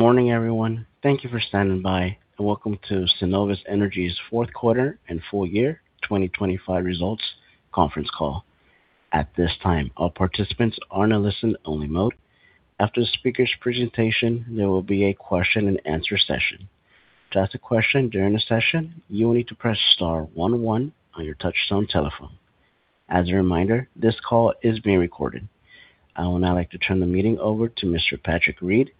Good morning, everyone. Thank you for standing by, and welcome to Cenovus Energy's Q4 and full year 2025 results conference call. At this time, all participants are in a listen-only mode. After the speaker's presentation, there will be a question-and-answer session. To ask a question during the session, you will need to press star one one on your touchtone telephone. As a reminder, this call is being recorded. I would now like to turn the meeting over to Mr. Patrick Read,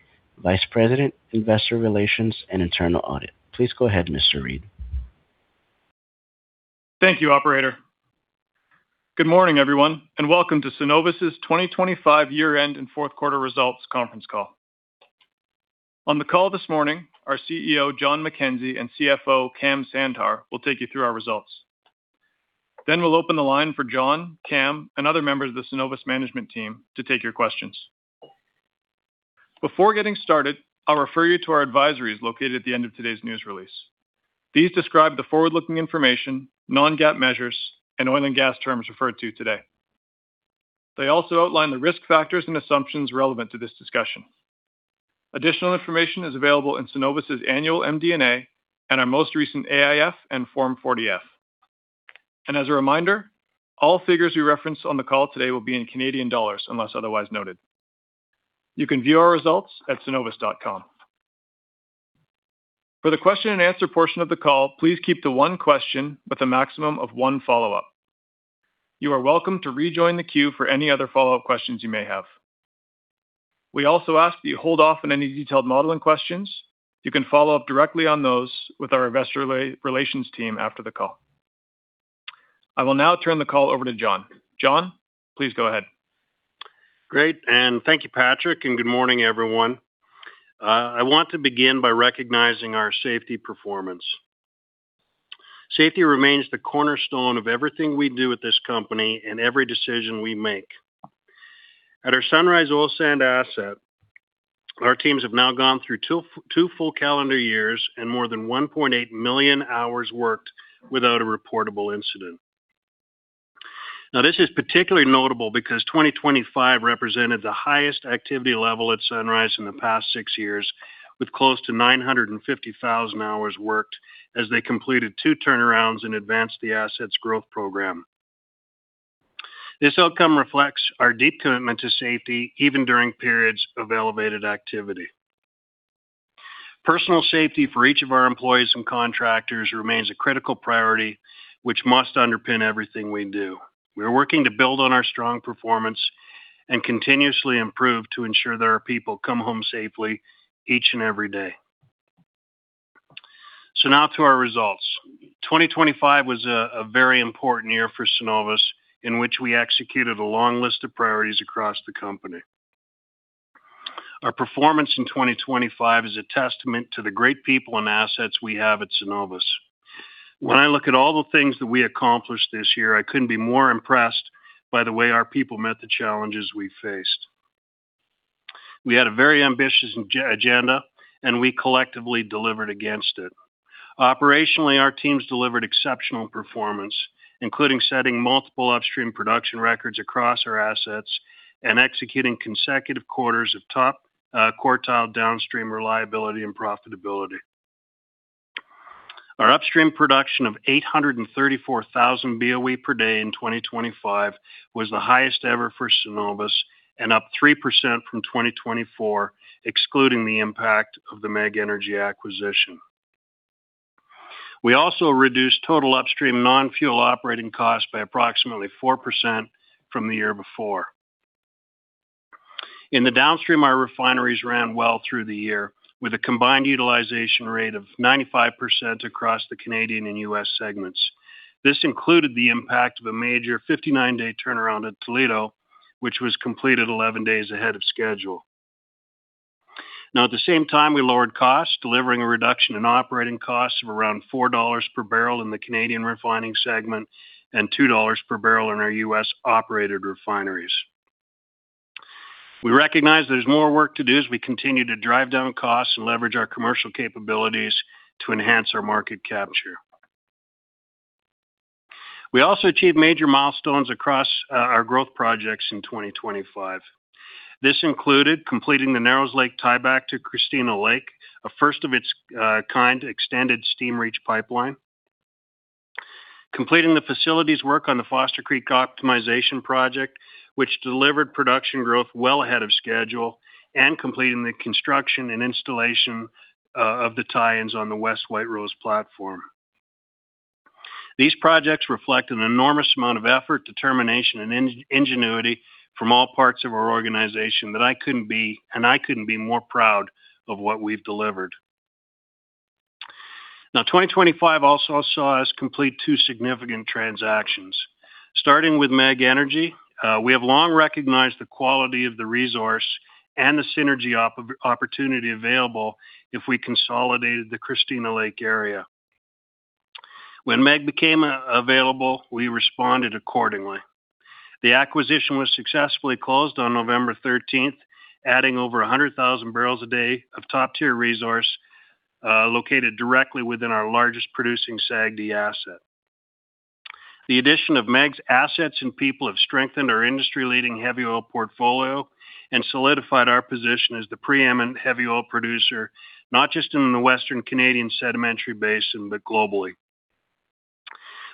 Vice President, Investor Relations and Internal Audit. Please go ahead, Mr. Read. Thank you, operator. Good morning, everyone, and welcome to Cenovus's 2025 year-end and Q4 results conference call. On the call this morning, our CEO, Jon McKenzie, and CFO, Kam Sandhar, will take you through our results. Then we'll open the line for Jon, Kam, and other members of the Cenovus management team to take your questions. Before getting started, I'll refer you to our advisories located at the end of today's news release. These describe the forward-looking information, non-GAAP measures, and oil and gas terms referred to today. They also outline the risk factors and assumptions relevant to this discussion. Additional information is available in Cenovus's annual MD&A and our most recent AIF and Form 40-F. As a reminder, all figures we reference on the call today will be in Canadian dollars, unless otherwise noted. You can view our results at cenovus.com. For the question-and-answer portion of the call, please keep to one question with a maximum of one follow-up. You are welcome to rejoin the queue for any other follow-up questions you may have. We also ask that you hold off on any detailed modeling questions. You can follow up directly on those with our investor relations team after the call. I will now turn the call over to Jon. Jon, please go ahead. Great, and thank you, Patrick, and good morning, everyone. I want to begin by recognizing our safety performance. Safety remains the cornerstone of everything we do at this company and every decision we make. At our Sunrise oil sands asset, our teams have now gone through two full calendar years and more than 1.8 million hours worked without a reportable incident. Now, this is particularly notable because 2025 represented the highest activity level at Sunrise in the past six years, with close to 950,000 hours worked as they completed two turnarounds and advanced the assets growth program. This outcome reflects our deep commitment to safety, even during periods of elevated activity. Personal safety for each of our employees and contractors remains a critical priority, which must underpin everything we do. We are working to build on our strong performance and continuously improve to ensure that our people come home safely each and every day. So now to our results. 2025 was a very important year for Cenovus, in which we executed a long list of priorities across the company. Our performance in 2025 is a testament to the great people and assets we have at Cenovus. When I look at all the things that we accomplished this year, I couldn't be more impressed by the way our people met the challenges we faced. We had a very ambitious agenda, and we collectively delivered against it. Operationally, our teams delivered exceptional performance, including setting multiple upstream production records across our assets and executing consecutive quarters of top quartile downstream reliability, and profitability. Our upstream production of 834,000 BOE per day in 2025 was the highest ever for Cenovus and up 3% from 2024, excluding the impact of the MEG Energy acquisition. We also reduced total upstream non-fuel operating costs by approximately 4% from the year before. In the downstream, our refineries ran well through the year, with a combined utilization rate of 95% across the Canadian and U.S. segments. This included the impact of a major 59-day turnaround at Toledo, which was completed 11 days ahead of schedule. Now, at the same time, we lowered costs, delivering a reduction in operating costs of around $4 per barrel in the Canadian refining segment and $2 per barrel in our U.S.-operated refineries. We recognize there's more work to do as we continue to drive down costs and leverage our commercial capabilities to enhance our market capture. We also achieved major milestones across our growth projects in 2025. This included completing the Narrows Lake tieback to Christina Lake, a first of its kind, extended steam reach pipeline, completing the facilities work on the Foster Creek optimization project, which delivered production growth well ahead of schedule, and completing the construction and installation of the tie-ins on the West White Rose platform. These projects reflect an enormous amount of effort, determination, and ingenuity from all parts of our organization, that I couldn't be more proud of what we've delivered. Now, 2025 also saw us complete two significant transactions. Starting with MEG Energy, we have long recognized the quality of the resource and the synergy opportunity available if we consolidated the Christina Lake area. When MEG became available, we responded accordingly. The acquisition was successfully closed on November thirteenth, adding over 100,000 barrels a day of top-tier resource, located directly within our largest producing SAGD asset. The addition of MEG's assets and people have strengthened our industry-leading heavy oil portfolio and solidified our position as the preeminent heavy oil producer, not just in the Western Canadian Sedimentary Basin, but globally.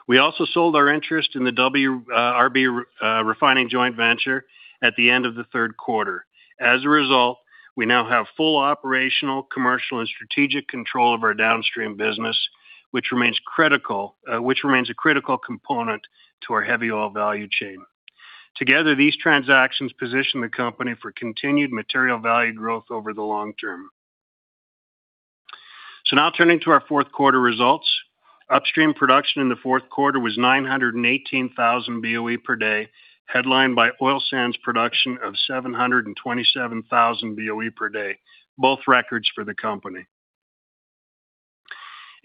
We also sold our interest in the WRB Refining joint venture at the end of the Q3. As a result, we now have full operational, commercial, and strategic control of our downstream business, which remains a critical component to our heavy oil value chain. Together, these transactions position the company for continued material value growth over the long term. So now turning to our Q4 results. Upstream production in the Q4 was 918,000 BOE per day, headlined by oil sands production of 727,000 BOE per day, both records for the company.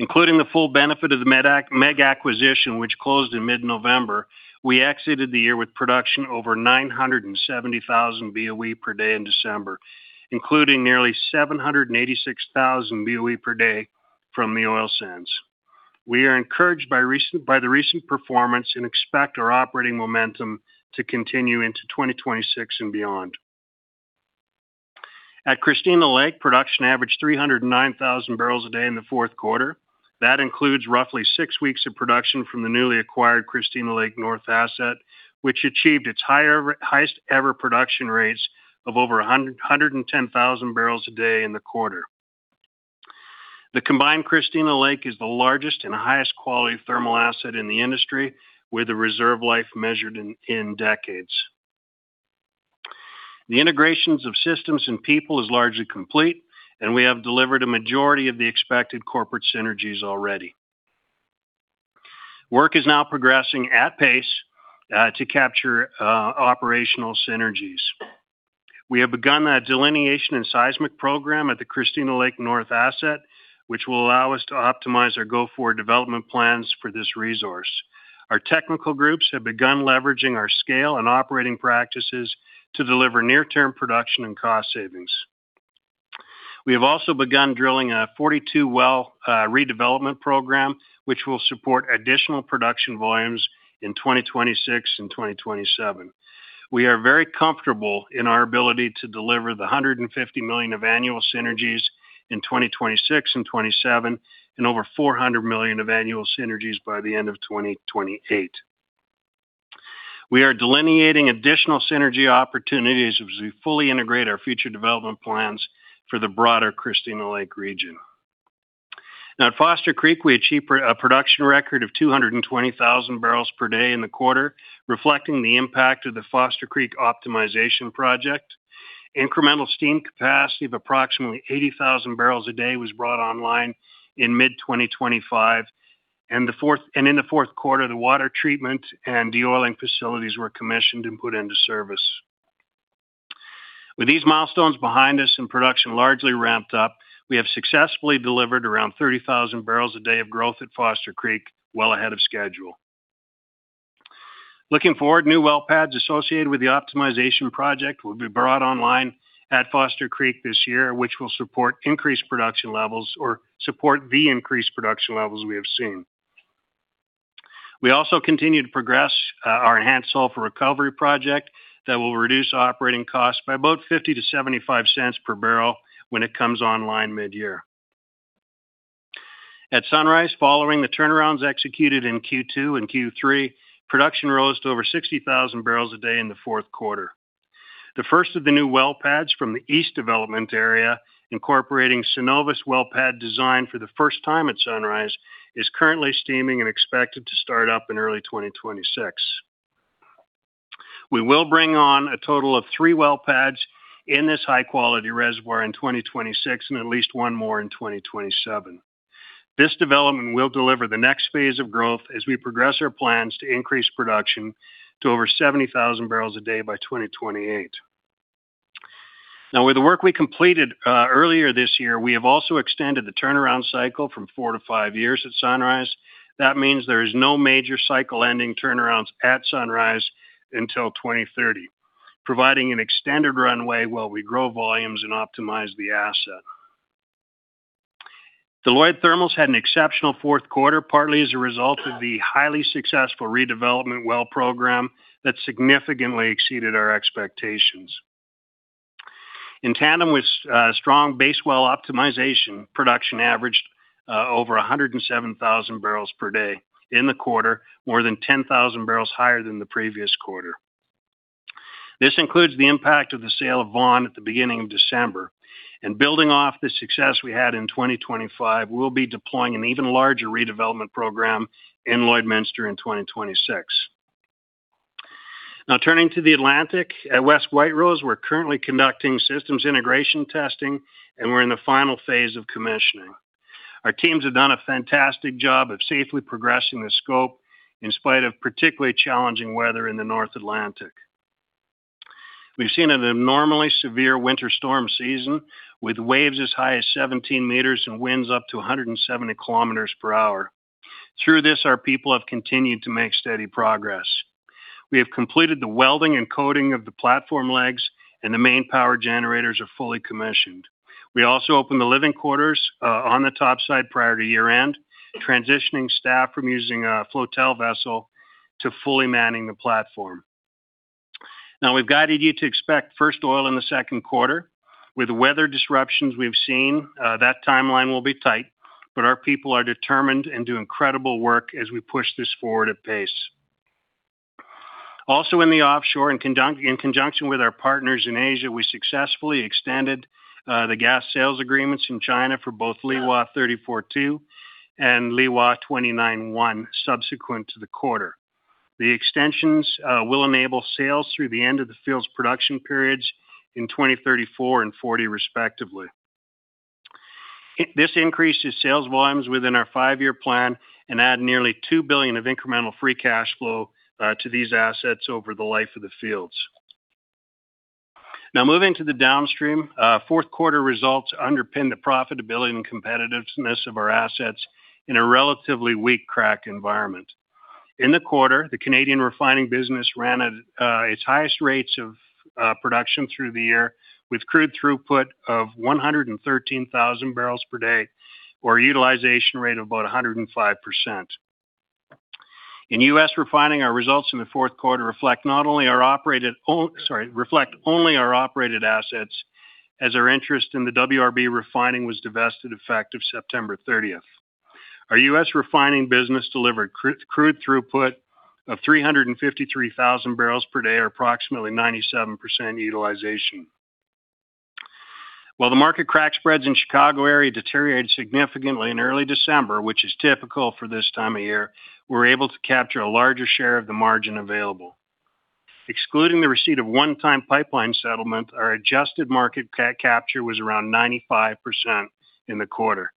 Including the full benefit of the MEG acquisition, which closed in mid-November, we exited the year with production over 970,000 BOE per day in December, including nearly 786,000 BOE per day from the oil sands. We are encouraged by the recent performance and expect our operating momentum to continue into 2026 and beyond. At Christina Lake, production averaged 309,000 barrels a day in the Q4. That includes roughly six weeks of production from the newly acquired Christina Lake North asset, which achieved its highest-ever production rates of over 110,000 barrels a day in the quarter. The combined Christina Lake is the largest and highest quality thermal asset in the industry, with a reserve life measured in decades. The integrations of systems and people is largely complete, and we have delivered a majority of the expected corporate synergies already. Work is now progressing at pace to capture operational synergies. We have begun a delineation and seismic program at the Christina Lake North asset, which will allow us to optimize our go-forward development plans for this resource. Our technical groups have begun leveraging our scale and operating practices to deliver near-term production and cost savings. We have also begun drilling a 42-well redevelopment program, which will support additional production volumes in 2026 and 2027. We are very comfortable in our ability to deliver 150 million of annual synergies in 2026 and 2027 and over 400 million of annual synergies by the end of 2028. We are delineating additional synergy opportunities as we fully integrate our future development plans for the broader Christina Lake region. Now, at Foster Creek, we achieved a production record of 220,000 barrels per day in the quarter, reflecting the impact of the Foster Creek Optimization Project. Incremental steam capacity of approximately 80,000 barrels a day was brought online in mid-2025, and in the Q4, the water treatment and de-oiling facilities were commissioned and put into service. With these milestones behind us and production largely ramped up, we have successfully delivered around 30,000 barrels a day of growth at Foster Creek, well ahead of schedule. Looking forward, new well pads associated with the optimization project will be brought online at Foster Creek this year, which will support increased production levels or support the increased production levels we have seen. We also continue to progress our enhanced sulfur recovery project that will reduce operating costs by about 50-75 cents per barrel when it comes online mid-year. At Sunrise, following the turnarounds executed in Q2 and Q3, production rose to over 60,000 barrels a day in the Q4. The first of the new well pads from the east development area, incorporating Cenovus well pad design for the first time at Sunrise, is currently steaming and expected to start up in early 2026. We will bring on a total of three well pads in this high-quality reservoir in 2026 and at least one more in 2027. This development will deliver the next phase of growth as we progress our plans to increase production to over 70,000 barrels a day by 2028. Now, with the work we completed earlier this year, we have also extended the turnaround cycle from four to five years at Sunrise. That means there is no major cycle-ending turnarounds at Sunrise until 2030, providing an extended runway while we grow volumes and optimize the asset. The Lloyd Thermals had an exceptional Q4, partly as a result of the highly successful redevelopment well program that significantly exceeded our expectations. In tandem with strong base well optimization, production averaged over 107,000 barrels per day in the quarter, more than 10,000 barrels higher than the previous quarter. This includes the impact of the sale of Vawn at the beginning of December, and building off the success we had in 2025, we'll be deploying an even larger redevelopment program in Lloydminster in 2026. Now, turning to the Atlantic. At West White Rose, we're currently conducting systems integration testing, and we're in the final phase of commissioning. Our teams have done a fantastic job of safely progressing the scope in spite of particularly challenging weather in the North Atlantic. We've seen an abnormally severe winter storm season, with waves as high as 17 meters and winds up to 170 kilometers per hour. Through this, our people have continued to make steady progress. We have completed the welding and coding of the platform legs, and the main power generators are fully commissioned. We also opened the living quarters on the top side prior to year-end, transitioning staff from using a flotel vessel to fully manning the platform. Now, we've guided you to expect first oil in the Q2. With weather disruptions we've seen, that timeline will be tight, but our people are determined and do incredible work as we push this forward at pace. Also, in the offshore, in conjunction with our partners in Asia, we successfully extended the gas sales agreements in China for both Liwan 34-2 and Liwan 29-1, subsequent to the quarter. The extensions will enable sales through the end of the field's production periods in 2034 and 2040, respectively. This increases sales volumes within our five-year plan and add nearly 2 billion of incremental free cash flow to these assets over the life of the fields. Now, moving to the downstream. Q4 results underpin the profitability and competitiveness of our assets in a relatively weak crack environment. In the quarter, the Canadian refining business ran at its highest rates of production through the year, with crude throughput of 113,000 barrels per day, or utilization rate of about 105%. In U.S. refining, our results in the Q4 reflect not only our operated, oh, sorry, reflect only our operated assets, as our interest in the WRB Refining was divested, effective September 30. Our U.S. refining business delivered crude throughput of 353,000 barrels per day, or approximately 97% utilization. While the market crack spreads in Chicago area deteriorated significantly in early December, which is typical for this time of year, we're able to capture a larger share of the margin available. Excluding the receipt of one-time pipeline settlement, our adjusted market capture was around 95% in the quarter.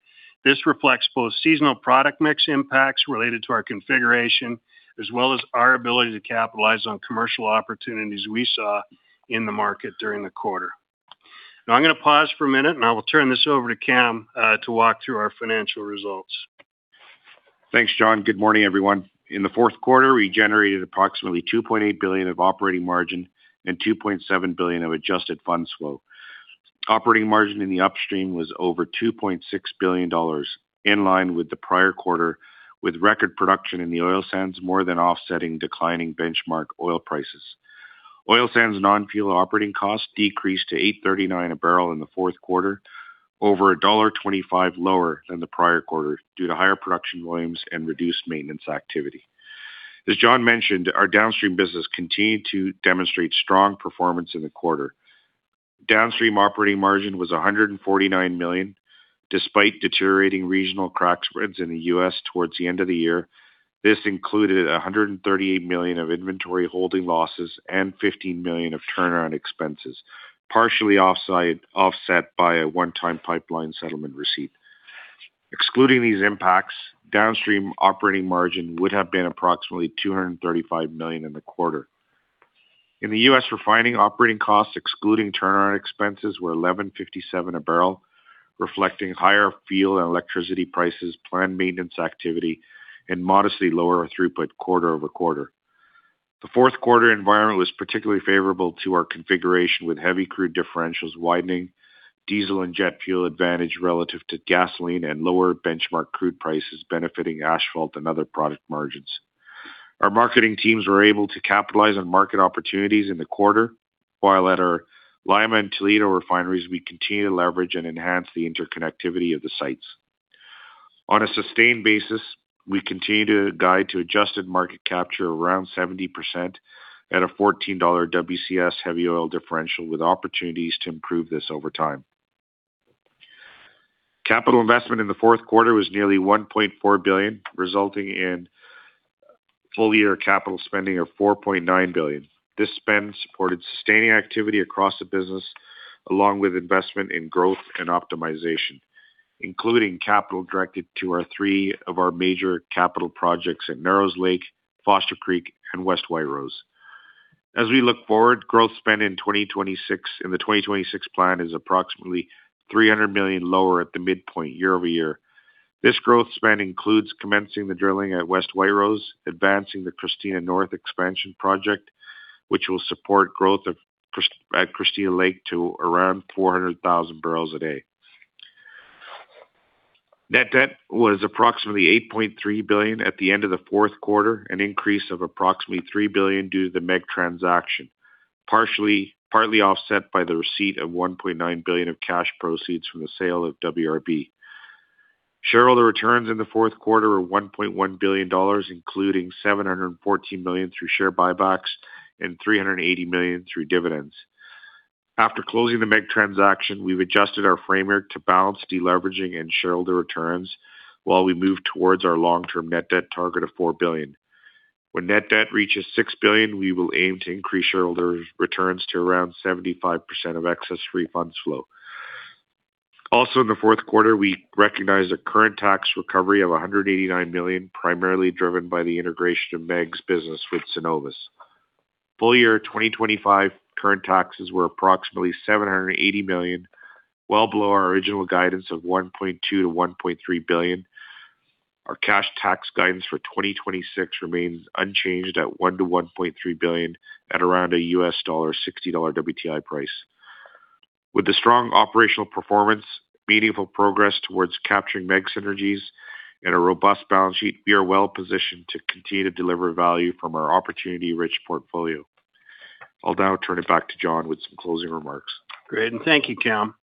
This reflects both seasonal product mix impacts related to our configuration, as well as our ability to capitalize on commercial opportunities we saw in the market during the quarter. Now, I'm gonna pause for a minute, and I will turn this over to Kam to walk through our financial results. Thanks, Jon. Good morning, everyone. In the Q4, we generated approximately 2.8 billion of operating margin and 2.7 billion of adjusted funds flow. Operating margin in the upstream was over 2.6 billion dollars, in line with the prior quarter, with record production in the oil sands, more than offsetting declining benchmark oil prices. Oil sands non-fuel operating costs decreased to 839 a barrel in the Q4, over dollar 1.25 lower than the prior quarter, due to higher production volumes and reduced maintenance activity. As Jon mentioned, our downstream business continued to demonstrate strong performance in the quarter. Downstream operating margin was 149 million, despite deteriorating regional crack spreads in the U.S. towards the end of the year. This included $138 million of inventory holding losses and $15 million of turnaround expenses, partially offset by a one-time pipeline settlement receipt. Excluding these impacts, downstream operating margin would have been approximately $235 million in the quarter. In the U.S., refining operating costs, excluding turnaround expenses, were $11.57 a barrel, reflecting higher fuel and electricity prices, planned maintenance activity, and modestly lower throughput quarter-over-quarter. The Q4 environment was particularly favorable to our configuration, with heavy crude differentials widening, diesel and jet fuel advantage relative to gasoline, and lower benchmark crude prices benefiting asphalt and other product margins. Our marketing teams were able to capitalize on market opportunities in the quarter, while at our Lima and Toledo refineries, we continued to leverage and enhance the interconnectivity of the sites. On a sustained basis, we continue to guide to adjusted market capture around 70% at a $14 WCS heavy oil differential, with opportunities to improve this over time. Capital investment in the Q4 was nearly 1.4 billion, resulting in full-year capital spending of 4.9 billion. This spend supported sustaining activity across the business, along with investment in growth and optimization, including capital directed to our three major capital projects at Narrows Lake, Foster Creek, and West White Rose. As we look forward, growth spend in 2026 - in the 2026 plan is approximately 300 million lower at the midpoint year-over-year. This growth spend includes commencing the drilling at West White Rose, advancing the Christina North expansion project, which will support growth of Christina Lake to around 400,000 barrels a day. Net debt was approximately CAD 8.3 billion at the end of the Q4, an increase of approximately CAD 3 billion due to the MEG transaction, partly offset by the receipt of CAD 1.9 billion of cash proceeds from the sale of WRB. Shareholder returns in the Q4 were CAD 1.1 billion, including CAD 714 million through share buybacks and CAD 380 million through dividends. After closing the MEG transaction, we've adjusted our framework to balance deleveraging and shareholder returns while we move towards our long-term net debt target of 4 billion. When net debt reaches 6 billion, we will aim to increase shareholder returns to around 75% of excess free funds flow. Also, in the Q4, we recognized a current tax recovery of 189 million, primarily driven by the integration of MEG's business with Cenovus. Full year 2025 current taxes were approximately 780 million, well below our original guidance of 1.2 billion - 1.3 billion. Our cash tax guidance for 2026 remains unchanged at 1 billion - 1.3 billion at around a $60 WTI price. With the strong operational performance, meaningful progress towards capturing MEG synergies, and a robust balance sheet, we are well positioned to continue to deliver value from our opportunity-rich portfolio. I'll now turn it back to Jon with some closing remarks. Great, and thank you, Kam.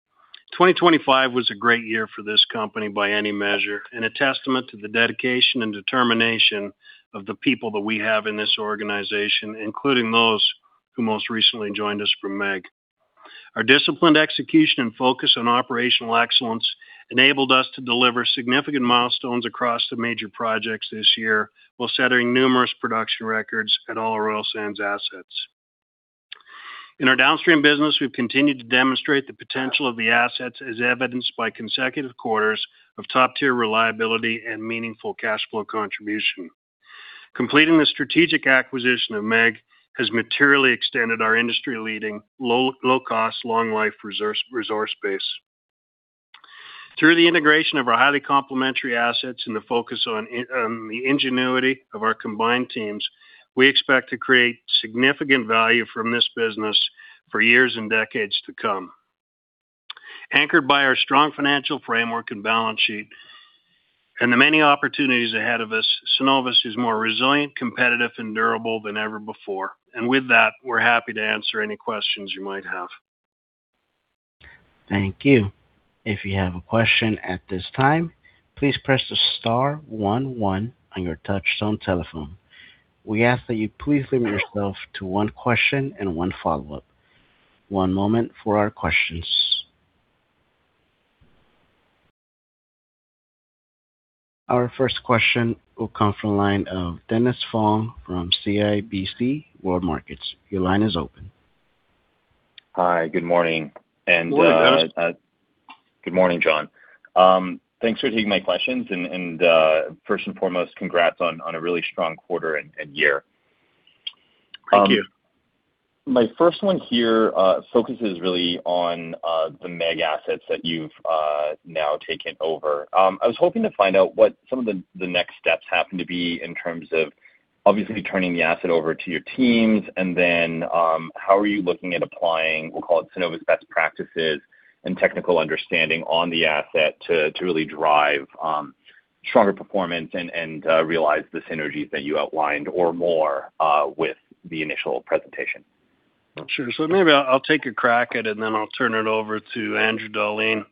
2025 was a great year for this company by any measure, and a testament to the dedication and determination of the people that we have in this organization, including those who most recently joined us from MEG. Our disciplined execution and focus on operational excellence enabled us to deliver significant milestones across the major projects this year, while setting numerous production records at all our oil sands assets. In our downstream business, we've continued to demonstrate the potential of the assets, as evidenced by consecutive quarters of top-tier reliability and meaningful cash flow contribution. Completing the strategic acquisition of MEG has materially extended our industry-leading, low, low-cost, long-life resource base. Through the integration of our highly complementary assets and the focus on the ingenuity of our combined teams, we expect to create significant value from this business for years and decades to come. Anchored by our strong financial framework and balance sheet, and the many opportunities ahead of us, Cenovus is more resilient, competitive, and durable than ever before. With that, we're happy to answer any questions you might have. Thank you. If you have a question at this time, please press the star one one on your touchtone telephone. We ask that you please limit yourself to one question and one follow-up. One moment for our questions. Our first question will come from the line of Dennis Fong from CIBC World Markets. Your line is open. Hi, good morning. Good morning, Dennis. Good morning, Jon. Thanks for taking my questions, and first and foremost, congrats on a really strong quarter and year. Thank you. My first one here focuses really on the Mac asset that you've now taken over. I was hoping to find out what some of the next steps happen to be in terms of obviously turning the asset over to your teams, and then how are you looking at applying, we'll call it Cenovus best practices and technical understanding on the asset to really drive stronger performance and realize the synergies that you outlined or more with the initial presentation? Well, sure. So maybe I'll take a crack at it, and then I'll turn it over to Andrew Dahlin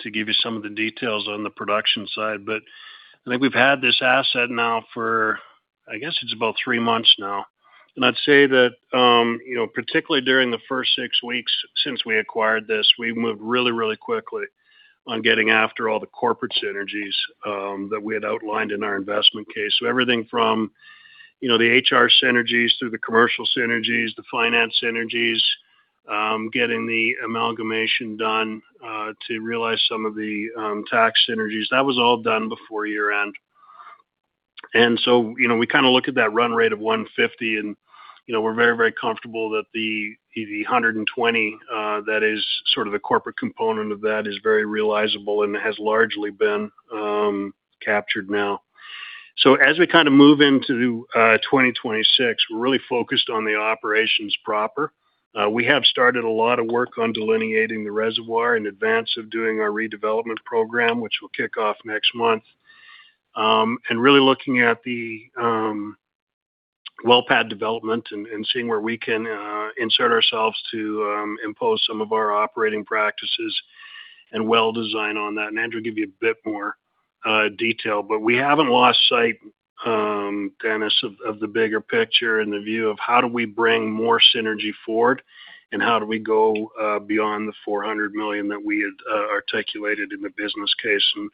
to give you some of the details on the production side. But I think we've had this asset now for, I guess it's about three months now. And I'd say that, you know, particularly during the first six weeks since we acquired this, we've moved really, really quickly on getting after all the corporate synergies, that we had outlined in our investment case. So everything from, you know, the HR synergies through the commercial synergies, the finance synergies, getting the amalgamation done, to realize some of the, tax synergies, that was all done before year-end. You know, we kind of look at that run rate of $150, and, you know, we're very, very comfortable that the $120, that is sort of the corporate component of that, is very realizable and has largely been captured now. As we kind of move into 2026, we're really focused on the operations proper. We have started a lot of work on delineating the reservoir in advance of doing our redevelopment program, which will kick off next month. Really looking at the well pad development and seeing where we can insert ourselves to impose some of our operating practices and well design on that. And Andrew will give you a bit more detail, but we haven't lost sight, Dennis, of the bigger picture and the view of how do we bring more synergy forward, and how do we go beyond the 400 million that we had articulated in the business case? And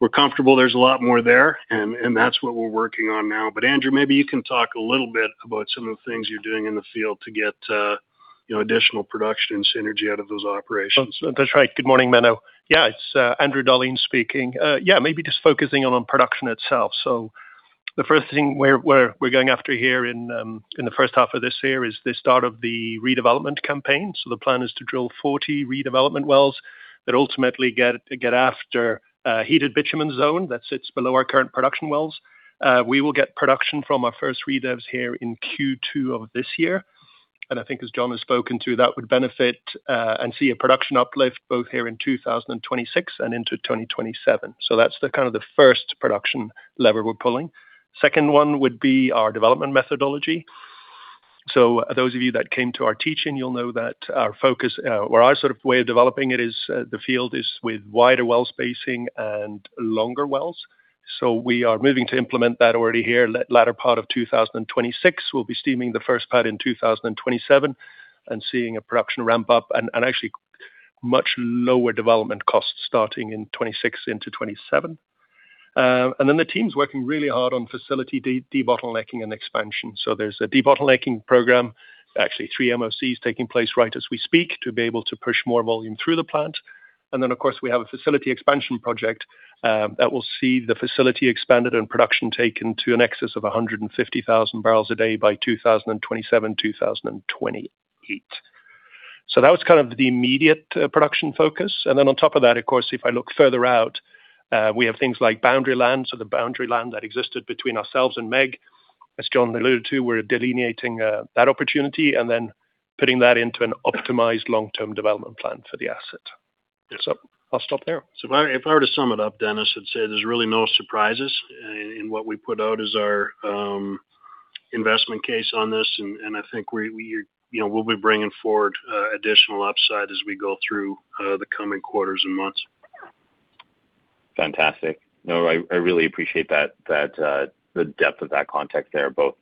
we're comfortable there's a lot more there, and that's what we're working on now. But, Andrew, maybe you can talk a little bit about some of the things you're doing in the field to get you know, additional production and synergy out of those operations. That's right. Good morning, Manav. Yeah, it's Andrew Dahlin speaking. Yeah, maybe just focusing on production itself. So the first thing we're going after here in the first half of this year is the start of the redevelopment campaign. So the plan is to drill 40 redevelopment wells that ultimately get after a heated bitumen zone that sits below our current production wells. We will get production from our first redevs here in Q2 of this year. And I think as Jon has spoken to, that would benefit and see a production uplift both here in 2026 and into 2027. So that's kind of the first production lever we're pulling. Second one would be our development methodology. So those of you that came to our teach-in, you'll know that our focus, or our sort of way of developing it is, the field is with wider well spacing and longer wells. So we are moving to implement that already here. Latter part of 2026, we'll be steaming the first pad in 2027 and seeing a production ramp up and, and actually much lower development costs starting in 26 into 27. And then the team's working really hard on facility debottlenecking and expansion. So there's a debottlenecking program, actually, three MOCs taking place right as we speak, to be able to push more volume through the plant. Then, of course, we have a facility expansion project that will see the facility expanded and production taken to an excess of 150,000 barrels a day by 2027, 2028.... So that was kind of the immediate production focus. And then on top of that, of course, if I look further out, we have things like boundary lands, or the boundary land that existed between ourselves and Meg. As Jon alluded to, we're delineating that opportunity and then putting that into an optimized long-term development plan for the asset. So I'll stop there. So if I, if I were to sum it up, Dennis, I'd say there's really no surprises in what we put out as our investment case on this, and, and I think we, we, you know, we'll be bringing forward the coming quarters and months. Fantastic. No, I, I really appreciate that, that, the depth of that context there, both,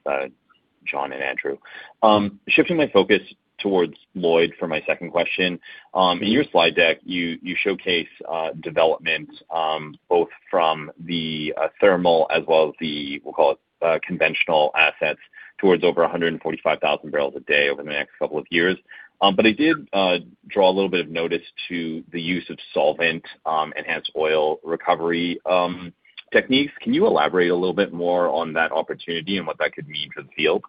Jon and Andrew. Shifting my focus towards Lloyd for my second question. In your slide deck, you, you showcase, development, both from the, thermal as well as the, we'll call it, conventional assets, towards over 145,000 barrels a day over the next couple of years. But I did, draw a little bit of notice to the use of solvent, enhanced oil recovery, techniques. Can you elaborate a little bit more on that opportunity and what that could mean for the field?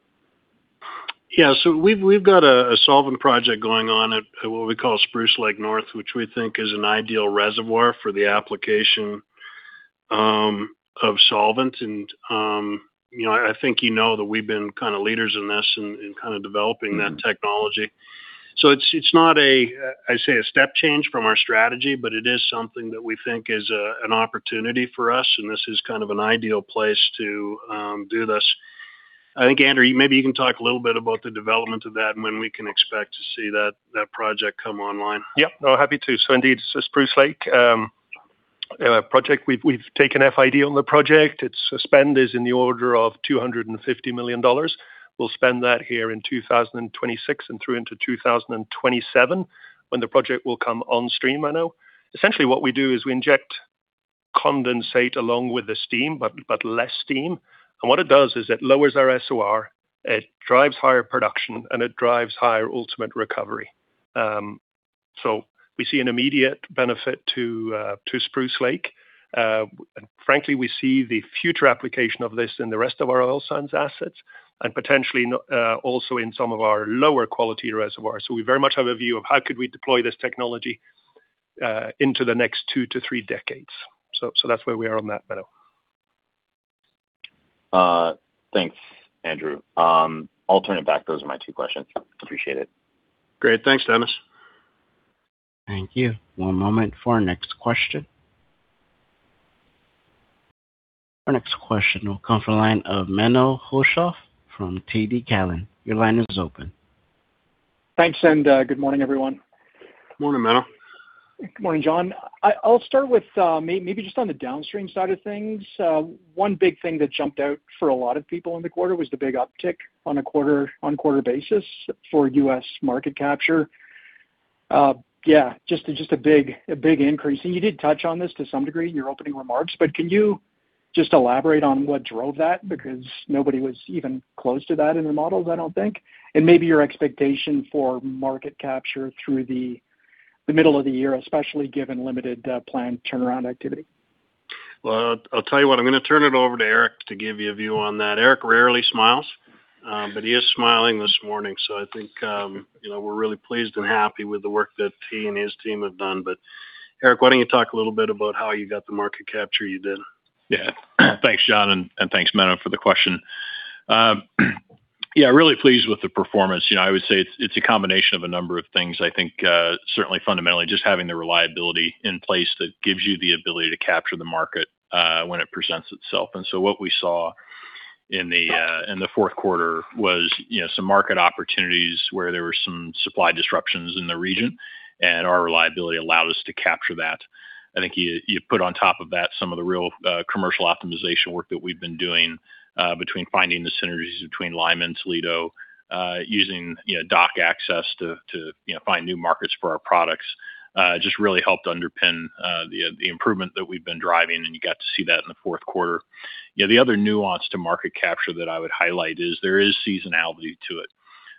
Yeah, so we've got a solvent project going on at what we call Spruce Lake North, which we think is an ideal reservoir for the application of solvent. And, you know, I think you know that we've been kind of leaders in this, in kind of developing that technology. So it's not a, I'd say, a step change from our strategy, but it is something that we think is an opportunity for us, and this is kind of an ideal place to do this. I think, Andrew, maybe you can talk a little bit about the development of that and when we can expect to see that project come online. Yeah. No, happy to. So indeed, Spruce Lake project, we've taken FID on the project. Its spend is in the order of 250 million dollars. We'll spend that here in 2026 and through into 2027, when the project will come on stream by now. Essentially, what we do is we inject condensate along with the steam, but less steam. And what it does is it lowers our SOR, it drives higher production, and it drives higher ultimate recovery. So we see an immediate benefit to Spruce Lake. And frankly, we see the future application of this in the rest of our oil sands assets and potentially also in some of our lower quality reservoirs. We very much have a view of how we could deploy this technology into the next two-to-three decades. So that's where we are on that note. Thanks, Andrew. I'll turn it back. Those are my two questions. Appreciate it. Great. Thanks, Dennis. Thank you. One moment for our next question. Our next question will come from the line of Menno Hulshof from TD Cowen. Your line is open. Thanks, and good morning, everyone. Morning, Mano. Good morning, Jon. I'll start with maybe just on the downstream side of things. One big thing that jumped out for a lot of people in the quarter was the big uptick on a quarter-on-quarter basis for U.S. market capture. Yeah, just a big increase. And you did touch on this to some degree in your opening remarks, but can you just elaborate on what drove that? Because nobody was even close to that in the models, I don't think. And maybe your expectation for market capture through the middle of the year, especially given limited planned turnaround activity. Well, I'll tell you what, I'm gonna turn it over to Eric to give you a view on that. Eric rarely smiles, but he is smiling this morning, so I think, you know, we're really pleased and happy with the work that he and his team have done. But Eric, why don't you talk a little bit about how you got the market capture you did? Yeah. Thanks, Jon, and, and thanks, Mano, for the question. Yeah, really pleased with the performance. You know, I would say it's, it's a combination of a number of things. I think, certainly fundamentally, just having the reliability in place that gives you the ability to capture the market, when it presents itself. And so what we saw in the Q4 was, you know, some market opportunities where there were some supply disruptions in the region, and our reliability allowed us to capture that. I think you put on top of that some of the real commercial optimization work that we've been doing between finding the synergies between Lima and Toledo using you know dock access to you know find new markets for our products just really helped underpin the improvement that we've been driving and you got to see that in the Q4. You know the other nuance to market capture that I would highlight is there is seasonality to it.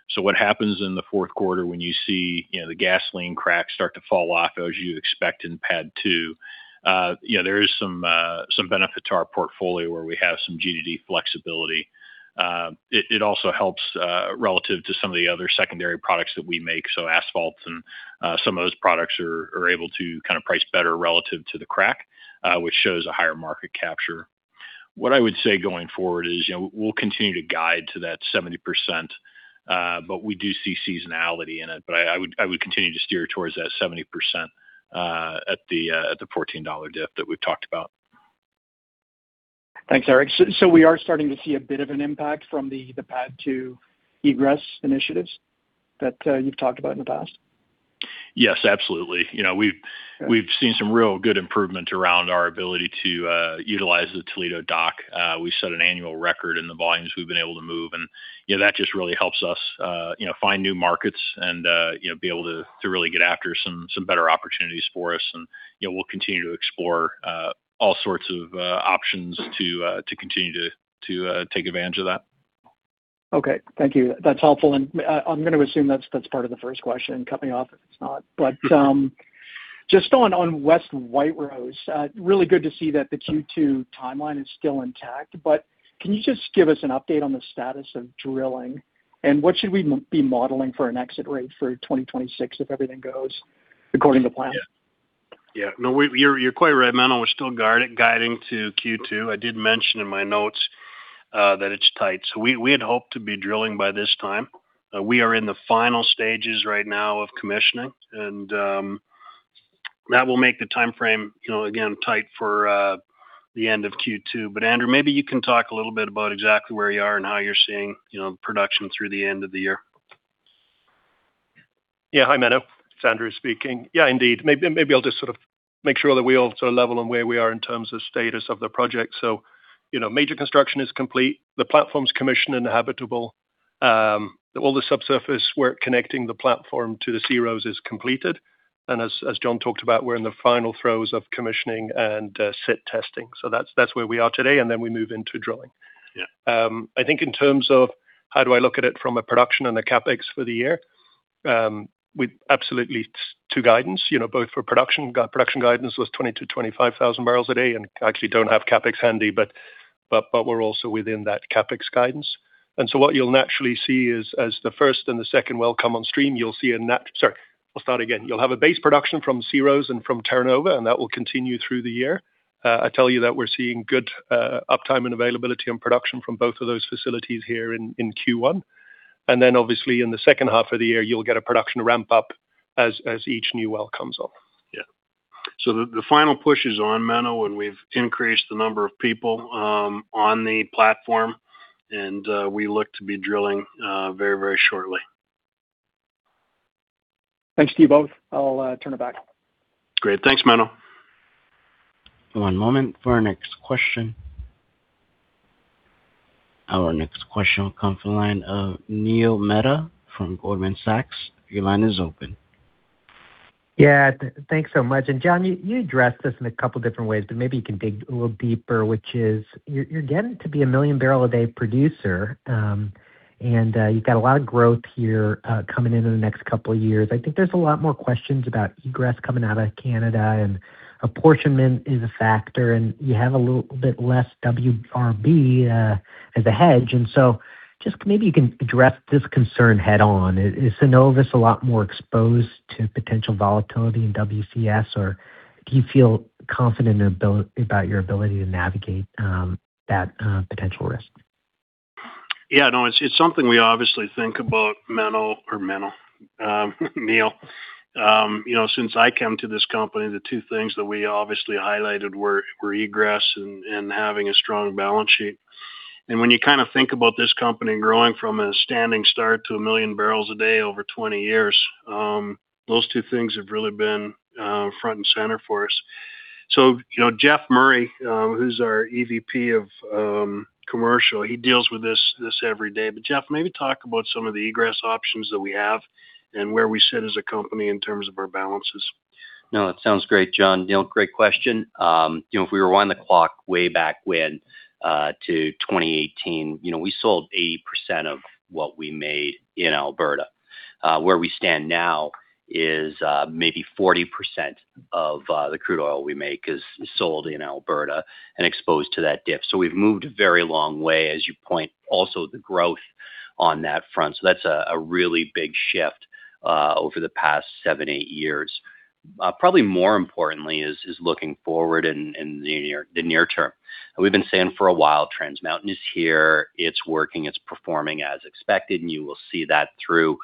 So what happens in the Q4 when you see you know the gasoline cracks start to fall off as you expect in PADD 2? Yeah there is some benefit to our portfolio where we have some G/D flexibility. It also helps relative to some of the other secondary products that we make. So asphalts and some of those products are able to kind of price better relative to the crack, which shows a higher market capture. What I would say going forward is, you know, we'll continue to guide to that 70%, but we do see seasonality in it. But I would continue to steer towards that 70%, at the $14 diff that we've talked about. Thanks, Eric. So we are starting to see a bit of an impact from the PADD 2 egress initiatives that you've talked about in the past? Yes, absolutely. You know, we've- Okay. We've seen some real good improvement around our ability to utilize the Toledo dock. We set an annual record in the volumes we've been able to move, and, you know, that just really helps us, you know, find new markets and, you know, be able to really get after some better opportunities for us. And, you know, we'll continue to explore all sorts of options to continue to take advantage of that. Okay. Thank you. That's helpful, and I'm gonna assume that's part of the first question coming off if it's not. But just on West White Rose, really good to see that the Q2 timeline is still intact, but can you just give us an update on the status of drilling? And what should we be modeling for an exit rate for 2026 if everything goes according to plan? Yeah. No, you're quite right, Menno. We're still guiding to Q2. I did mention in my notes that it's tight. So we had hoped to be drilling by this time. We are in the final stages right now of commissioning, and that will make the time frame, you know, again, tight for the end of Q2. But, Andrew, maybe you can talk a little bit about exactly where you are and how you're seeing, you know, production through the end of the year. Yeah. Hi, Menno. It's Andrew speaking. Yeah, indeed. Maybe I'll just sort of make sure that we all sort of level on where we are in terms of status of the project. So, you know, major construction is complete. The platform's commissioned and habitable. All the subsurface work connecting the platform to the SeaRose is completed. And as Jon talked about, we're in the final throes of commissioning and SIT testing. So that's where we are today, and then we move into drilling. Yeah. I think in terms of how do I look at it from a production and a CapEx for the year, we absolutely two guidance, you know, both for production. Production guidance was 20-25 thousand barrels a day, and I actually don't have CapEx handy, but, but, but we're also within that CapEx guidance. And so what you'll naturally see is, as the first and the second well come on stream, you'll see a base production from SeaRose and from Terra Nova, and that will continue through the year. I tell you that we're seeing good uptime and availability and production from both of those facilities here in Q1. And then, obviously, in the second half of the year, you'll get a production ramp-up as each new well comes on. Yeah. So the final push is on, Mano, and we've increased the number of people on the platform, and we look to be drilling very, very shortly. Thanks to you both. I'll turn it back. Great. Thanks, Menno. One moment for our next question. Our next question will come from the line of Neil Mehta from Goldman Sachs. Your line is open. Yeah, thanks so much. Jon, you addressed this in a couple different ways, but maybe you can dig a little deeper, which is, you're getting to be a million barrel a day producer, and you've got a lot of growth here, coming in in the next couple of years. I think there's a lot more questions about egress coming out of Canada, and apportionment is a factor, and you have a little bit less WRB as a hedge. And so just maybe you can address this concern head-on. Is Cenovus a lot more exposed to potential volatility in WCS, or do you feel confident in ability about your ability to navigate that potential risk? Yeah, no, it's something we obviously think about, Menno, or Neil. You know, since I came to this company, the two things that we obviously highlighted were egress and having a strong balance sheet. And when you kind of think about this company growing from a standing start to one million barrels a day over 20 years, those two things have really been front and center for us. So, you know, Jeff Murray, who's our EVP of Commercial, he deals with this every day. But, Jeff, maybe talk about some of the egress options that we have and where we sit as a company in terms of our balances. No, it sounds great, Jon. Neil, great question. You know, if we rewind the clock way back when to 2018, you know, we sold 80% of what we made in Alberta. Where we stand now is maybe 40% of the crude oil we make is sold in Alberta and exposed to that diff. So we've moved a very long way, as you point, also the growth on that front. So that's a really big shift over the past seven eight years. Probably more importantly is looking forward in the near term. We've been saying for a while, Trans Mountain is here, it's working, it's performing as expected, and you will see that through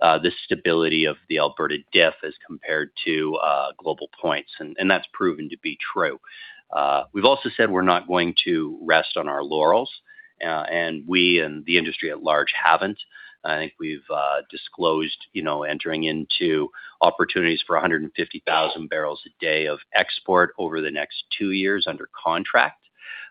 the stability of the Alberta diff as compared to global points, and that's proven to be true. We've also said we're not going to rest on our laurels, and we and the industry at large haven't. I think we've disclosed, you know, entering into opportunities for 150,000 barrels a day of export over the next two years under contract.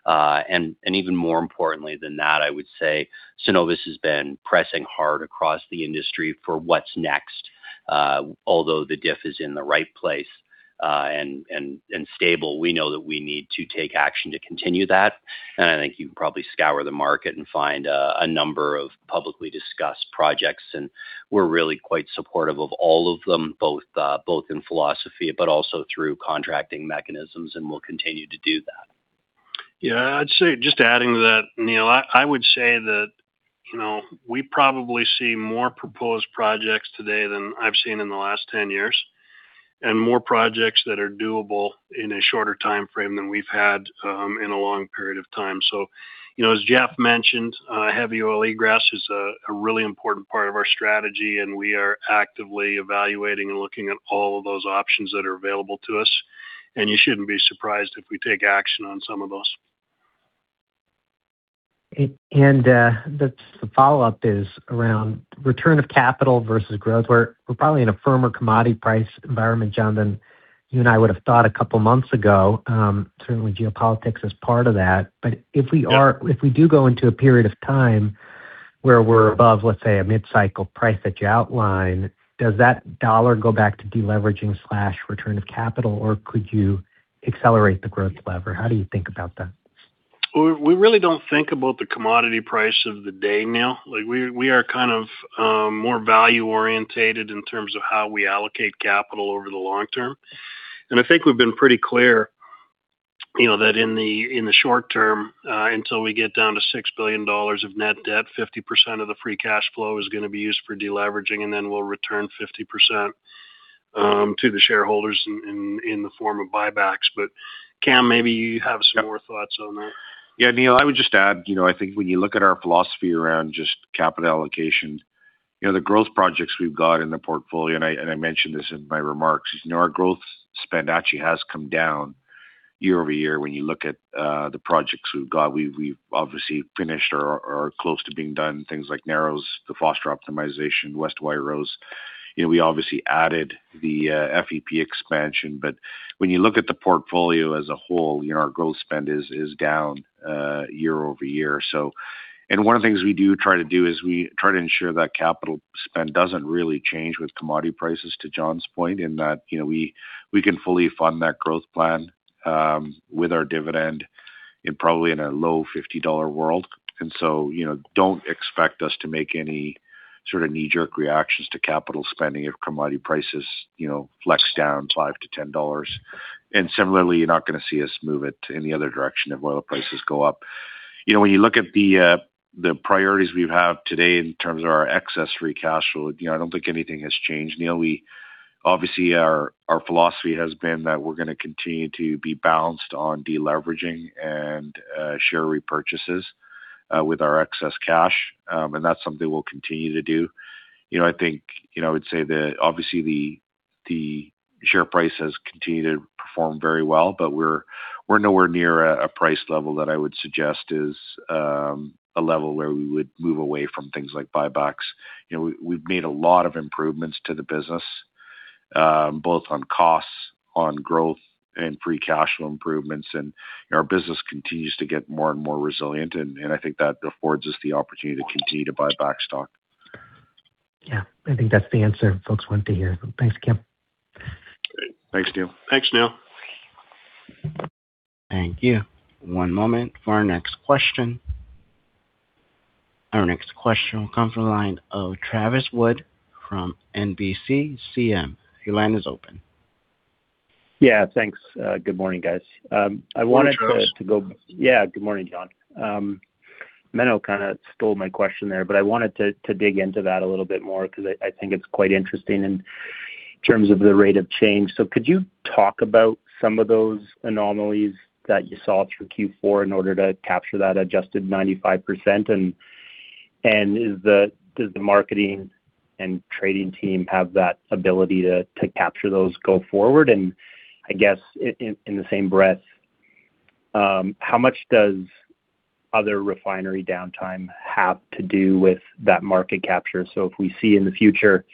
And even more importantly than that, I would say Cenovus has been pressing hard across the industry for what's next. Although the diff is in the right place, and stable, we know that we need to take action to continue that. And I think you can probably scour the market and find a number of publicly discussed projects, and we're really quite supportive of all of them, both in philosophy, but also through contracting mechanisms, and we'll continue to do that. Yeah, I'd say, just adding to that, Neil, I would say that, you know, we probably see more proposed projects today than I've seen in the last 10 years, and more projects that are doable in a shorter timeframe than we've had in a long period of time. So, you know, as Jeff mentioned, heavy oil egress is a really important part of our strategy, and we are actively evaluating and looking at all of those options that are available to us, and you shouldn't be surprised if we take action on some of those. The follow-up is around return of capital versus growth. We're probably in a firmer commodity price environment, Jon, than you and I would have thought a couple of months ago. Certainly geopolitics is part of that. But if we are- Yep.... If we do go into a period of time where we're above, let's say, a mid-cycle price that you outline, does that dollar go back to deleveraging/return of capital, or could you accelerate the growth lever? How do you think about that? We really don't think about the commodity price of the day now. Like, we are kind of more value-oriented in terms of how we allocate capital over the long term. I think we've been pretty clear, you know, that in the short term, until we get down to 6 billion dollars of net debt, 50% of the free cash flow is gonna be used for deleveraging, and then we'll return 50% to the shareholders in the form of buybacks. But Kam, maybe you have some more thoughts on that. Yeah, Neil, I would just add, you know, I think when you look at our philosophy around just capital allocation, you know, the growth projects we've got in the portfolio, and I mentioned this in my remarks, you know, our growth spend actually has come down year-over-year when you look at the projects we've got. We've obviously finished or close to being done, things like Narrows, the Foster optimization, West White Rose. You know, we obviously added the FEP expansion. But when you look at the portfolio as a whole, you know, our growth spend is down year-over-year. And one of the things we do try to do is we try to ensure that capital spend doesn't really change with commodity prices, to Jon's point, in that, you know, we can fully fund that growth plan with our dividend in probably a low $50 world. And so, you know, don't expect us to make any sort of knee-jerk reactions to capital spending if commodity prices, you know, flex down $5-$10. And similarly, you're not gonna see us move it in the other direction if oil prices go up. You know, when you look at the priorities we have today in terms of our excess free cash flow, you know, I don't think anything has changed. Neil, obviously, our philosophy has been that we're gonna continue to be balanced on deleveraging and share repurchases with our excess cash, and that's something we'll continue to do. You know, I think, you know, I would say that obviously, the share price has continued to perform very well, but we're nowhere near a price level that I would suggest is a level where we would move away from things like buybacks. You know, we've made a lot of improvements to the business, both on costs, on growth, and free cash flow improvements, and our business continues to get more and more resilient, and I think that affords us the opportunity to continue to buy back stock. Yeah, I think that's the answer folks want to hear. Thanks, Kam. Great. Thanks, Neil. Thanks, Neil. Thank you. One moment for our next question. Our next question will come from the line of Travis Wood from NBCCM. Your line is open. Yeah, thanks. Good morning, guys. I wanted to- Good morning, Travis. Yeah, good morning, Jon. Meno kind of stole my question there, but I wanted to, to dig into that a little bit more because I, I think it's quite interesting in terms of the rate of change. So could you talk about some of those anomalies that you saw through Q4 in order to capture that adjusted 95%? And, and is the-- does the marketing and trading team have that ability to, to capture those go forward? And I guess i-in, in the same breath, how much does other refinery downtime have to do with that market capture? So if we see in the future,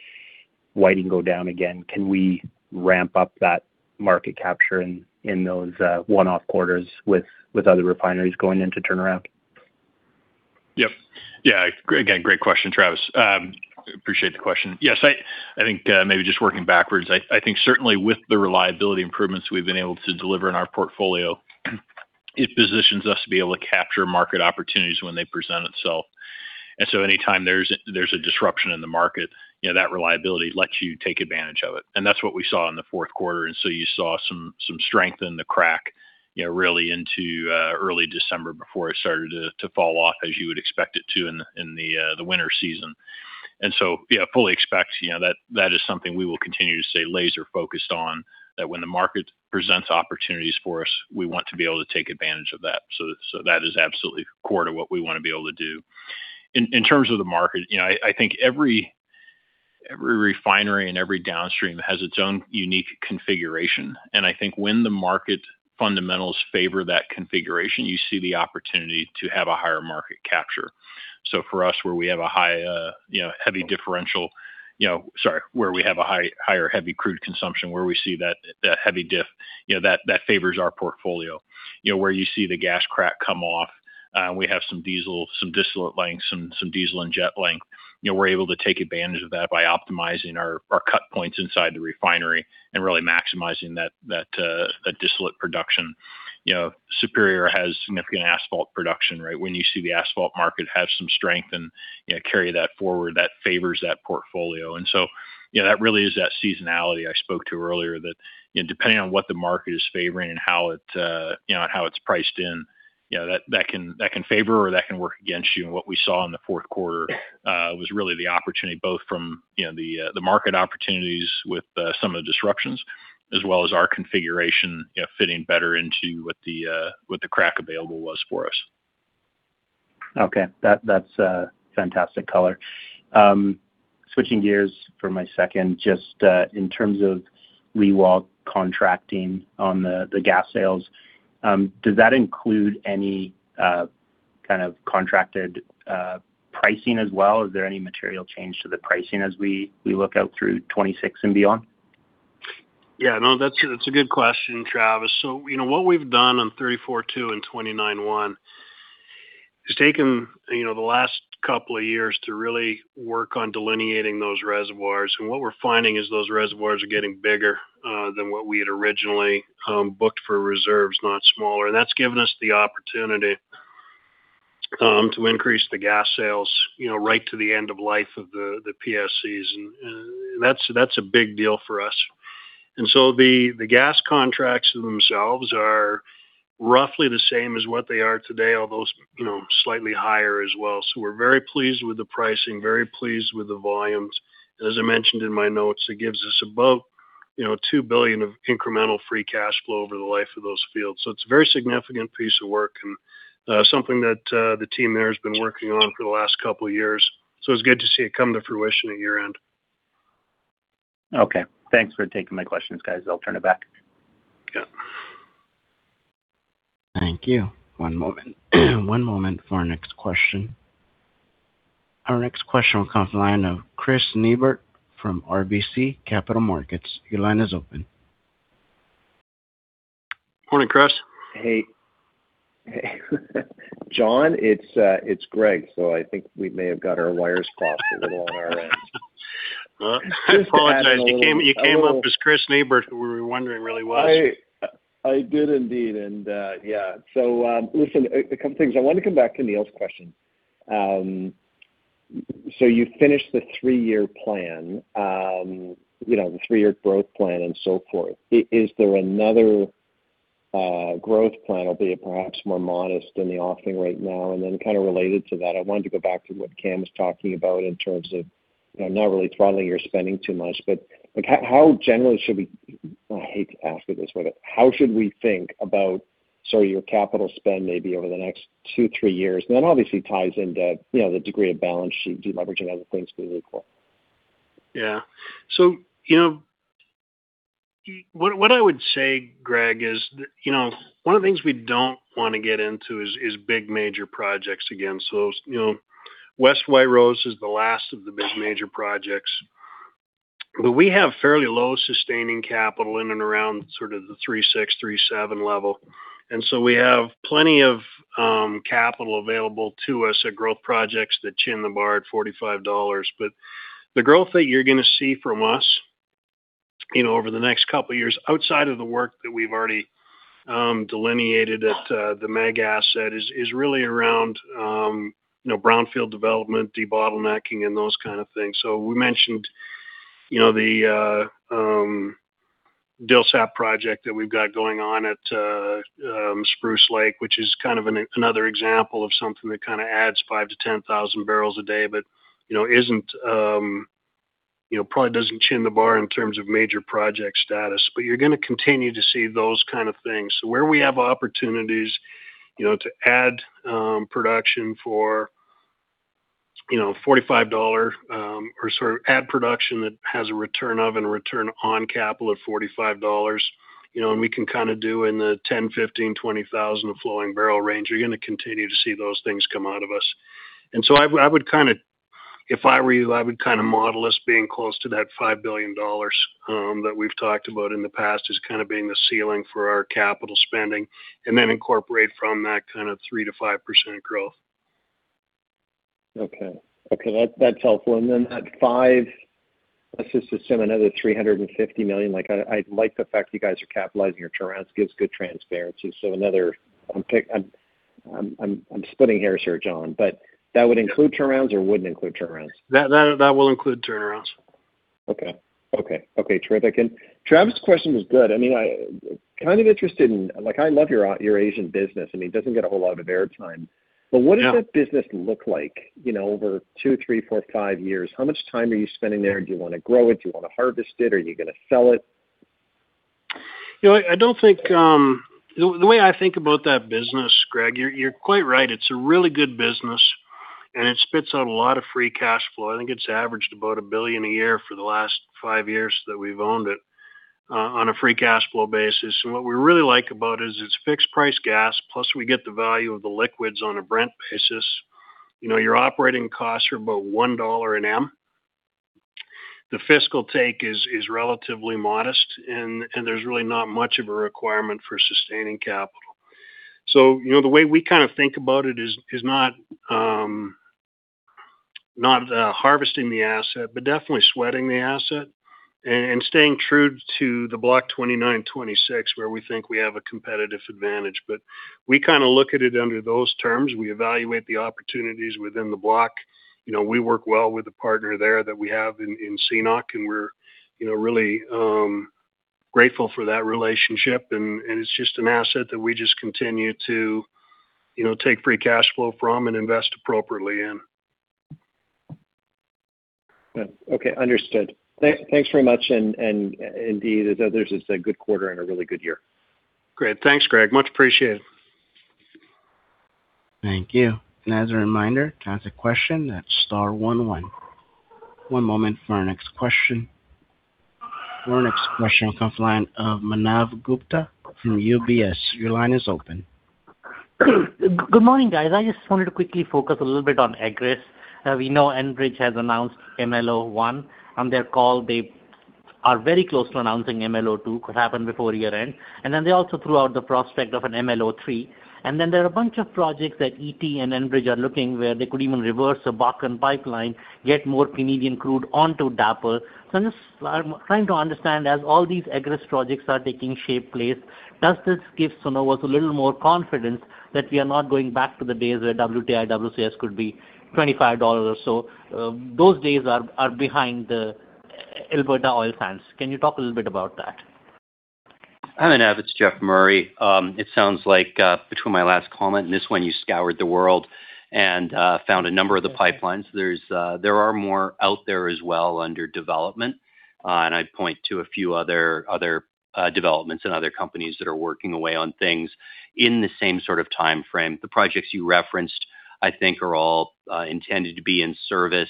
Whiting go down again, can we ramp up that market capture in, in those, one-off quarters with, with other refineries going into turnaround? Yep. Yeah, again, great question, Travis. Appreciate the question. Yes, I think, maybe just working backwards, I think certainly with the reliability improvements we've been able to deliver in our portfolio, it positions us to be able to capture market opportunities when they present itself. And so anytime there's a disruption in the market, you know, that reliability lets you take advantage of it. And that's what we saw in the Q4, and so you saw some strength in the crack, you know, really into early December before it started to fall off, as you would expect it to in the winter season. And so, yeah, fully expect, you know, that, that is something we will continue to stay laser focused on, that when the market presents opportunities for us, we want to be able to take advantage of that. So, so that is absolutely core to what we want to be able to do. In, in terms of the market, you know, I, I think every, every refinery and every downstream has its own unique configuration, and I think when the market fundamentals favor that configuration, you see the opportunity to have a higher market capture. So for us, where we have a high, you know, heavy differential, you know—Sorry, where we have a higher heavy crude consumption, where we see that, that heavy diff, you know, that, that favors our portfolio. You know, where you see the gas crack come off, we have some diesel, some distillate length, some, some diesel and jet length. You know, we're able to take advantage of that by optimizing our, our cut points inside the refinery and really maximizing that, that, that distillate production. You know, Superior has significant asphalt production, right? When you see the asphalt market have some strength and, you know, carry that forward, that favors that portfolio. And so, you know, that really is that seasonality I spoke to earlier, that, you know, depending on what the market is favoring and how it, you know, and how it's priced in, you know, that, that can, that can favor or that can work against you. What we saw in the Q4 was really the opportunity, both from, you know, the market opportunities with some of the disruptions, as well as our configuration, you know, fitting better into what the crack available was for us. Okay. That, that's a fantastic color. Switching gears for my second, just, in terms of forward contracting on the, the gas sales, does that include any kind of contracted pricing as well? Is there any material change to the pricing as we look out through 2026 and beyond? Yeah, no, that's a good question, Travis. So, you know, what we've done on 34-2 and 29-1-... It's taken, you know, the last couple of years to really work on delineating those reservoirs. And what we're finding is those reservoirs are getting bigger than what we had originally booked for reserves, not smaller. And that's given us the opportunity to increase the gas sales, you know, right to the end of life of the PSCs, and that's a big deal for us. And so the gas contracts themselves are roughly the same as what they are today, although, you know, slightly higher as well. So we're very pleased with the pricing, very pleased with the volumes. As I mentioned in my notes, it gives us above, you know, 2 billion of incremental free cash flow over the life of those fields. So it's a very significant piece of work and something that the team there has been working on for the last couple of years. So it's good to see it come to fruition at year-end. Okay. Thanks for taking my questions, guys. I'll turn it back. Yeah. Thank you. One moment. One moment for our next question. Our next question will come from the line of Chris Niebert from RBC Capital Markets. Your line is open. Morning, Chris. Hey, Jon, it's, it's Greg, so I think we may have got our wires crossed a little on our end. Well, I apologize. You came, you came up as Chris Niebert, we were wondering who it really was. I did indeed, and yeah. So, listen, a couple of things. I want to come back to Neil's question. So you finished the three-year plan, you know, the three-year growth plan and so forth. Is there another growth plan, albeit perhaps more modest in the offing right now? And then related to that, I wanted to go back to what Kam was talking about in terms of, you know, not really throttling your spending too much, but like, how generally should we... I hate to ask it this way, but how should we think about, say, your capital spend maybe over the next two, three years? And that obviously ties into, you know, the degree of balance sheet deleveraging, other things we look for. Yeah. So, you know, what I would say, Greg, is that, you know, one of the things we don't want to get into is big major projects again. So, you know, West White Rose is the last of the big major projects. But we have fairly low sustaining capital in and around sort of the $36-$37 level. And so we have plenty of capital available to us at growth projects that clear the bar at $45. But the growth that you're going to see from us, you know, over the next couple of years, outside of the work that we've already delineated at the Mac asset, is really around, you know, brownfield development, debottlenecking, and those kind of things. So we mentioned, you know, the Dil-Sat project that we've got going on at Spruce Lake, which is kind of another example of something that kind of adds 5,000-10,000 barrels a day, but, you know, isn't, you know, probably doesn't chin the bar in terms of major project status. But you're going to continue to see those kind of things. So where we have opportunities, you know, to add production for, you know, $45 or sort of add production that has a return of and a return on capital of $45, you know, and we can kind of do in the 10,000, 15,000, 20,000 flowing barrel range, you're going to continue to see those things come out of us. I would, I would kind of, if I were you, I would kind of model us being close to that 5 billion dollars that we've talked about in the past as kind of being the ceiling for our capital spending, and then incorporate from that kind of 3% - 5% growth. Okay. Okay, that's helpful. Then that five, let's just assume another 350 million. Like, I like the fact you guys are capitalizing your turnarounds, gives good transparency. So another, I'm splitting hairs here, Jon, but that would include turnarounds or wouldn't include turnarounds? That will include turnarounds. Okay, terrific. Travis's question was good. I mean, kind of interested in—like, I love your, your Asian business, and it doesn't get a whole lot of airtime. Yeah. But what does that business look like, you know, over two, three, four, five years? How much time are you spending there? Do you want to grow it? Do you want to harvest it? Are you going to sell it? You know, I don't think the way I think about that business, Greg, you're quite right. It's a really good business, and it spits out a lot of free cash flow. I think it's averaged about 1 billion a year for the last five years that we've owned it, on a free cash flow basis. And what we really like about it is it's fixed-price gas, plus we get the value of the liquids on a Brent basis. You know, your operating costs are about $1 an M. The fiscal take is relatively modest, and there's really not much of a requirement for sustaining capital. So, you know, the way we kind of think about it is, is not, not, harvesting the asset, but definitely sweating the asset and staying true to the Block 29/26 where we think we have a competitive advantage. But we kind of look at it under those terms. We evaluate the opportunities within the block. You know, we work well with the partner there that we have in, in CNOOC, and we're, you know, really, grateful for that relationship, and, and it's just an asset that we just continue to, you know, take free cash flow from and invest appropriately in. Good. Okay, understood. Thanks very much, and indeed, as others, it's a good quarter and a really good year. Great. Thanks, Greg. Much appreciated. Thank you. And as a reminder, to ask a question, that's star one one. One moment for our next question. Our next question comes from the line of Manav Gupta from UBS. Your line is open. Good morning, guys. I just wanted to quickly focus a little bit on egress. We know Enbridge has announced MLO One. On their call, they are very close to announcing MLO two, could happen before year-end. And then they also threw out the prospect of an MLO three. And then there are a bunch of projects that ET and Enbridge are looking, where they could even reverse a Bakken pipeline, get more Canadian crude onto DAPL. So I'm just, I'm trying to understand, as all these egress projects are taking shape, place, does this give Cenovus a little more confidence that we are not going back to the days where WTI, WCS could be $25 or so? Those days are behind the Alberta oil sands. Can you talk a little bit about that? Hi, Manav, it's Jeff Murray. It sounds like between my last comment and this one, you scoured the world and found a number of the pipelines. There are more out there as well under development, and I'd point to a few other developments and other companies that are working away on things in the same sort of timeframe. The projects you referenced, I think, are all intended to be in service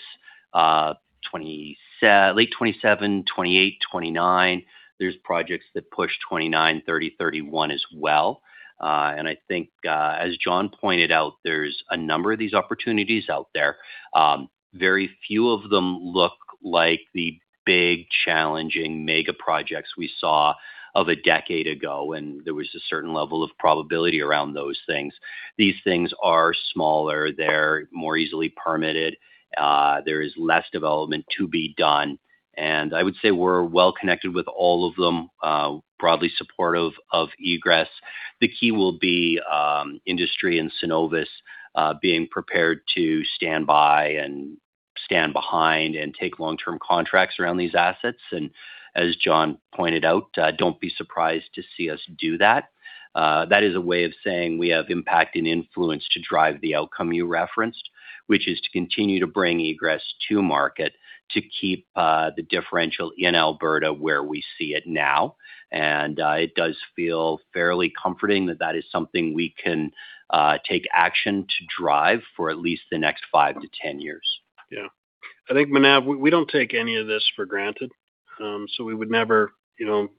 late 2027, 2028, 2029. There are projects that push 2029, 2030, 2031 as well. And I think, as Jon pointed out, there's a number of these opportunities out there. Very few of them look like the big, challenging mega projects we saw of a decade ago, when there was a certain level of probability around those things. These things are smaller. They're more easily permitted. There is less development to be done, and I would say we're well connected with all of them, broadly supportive of egress. The key will be, industry and Cenovus, being prepared to stand by and stand behind and take long-term contracts around these assets. And as Jon pointed out, don't be surprised to see us do that. That is a way of saying we have impact and influence to drive the outcome you referenced, which is to continue to bring egress to market, to keep, the differential in Alberta where we see it now. And, it does feel fairly comforting that that is something we can, take action to drive for at least the next five to 10 years. Yeah. I think, Manav, we don't take any of this for granted. So we would never, you know,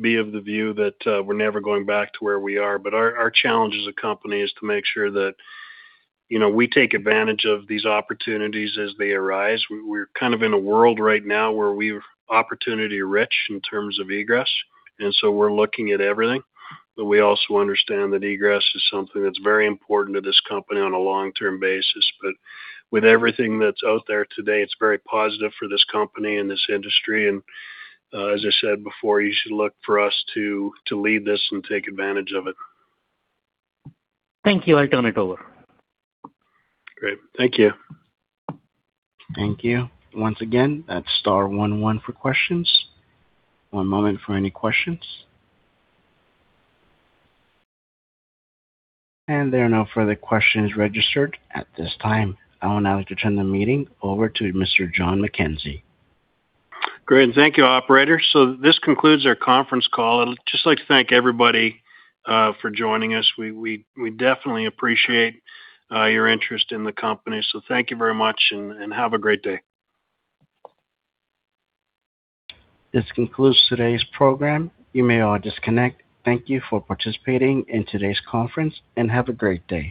be of the view that we're never going back to where we are. But our challenge as a company is to make sure that, you know, we take advantage of these opportunities as they arise. We're kind of in a world right now where we're opportunity-rich in terms of egress, and so we're looking at everything. But we also understand that egress is something that's very important to this company on a long-term basis. But with everything that's out there today, it's very positive for this company and this industry. And as I said before, you should look for us to lead this and take advantage of it. Thank you. I turn it over. Great. Thank you. Thank you. Once again, that's star one one for questions. One moment for any questions. There are no further questions registered at this time. I will now return the meeting over to Mr. Jon McKenzie. Great, and thank you, operator. So this concludes our conference call. I'd just like to thank everybody for joining us. We definitely appreciate your interest in the company. So thank you very much and have a great day. This concludes today's program. You may all disconnect. Thank you for participating in today's conference, and have a great day.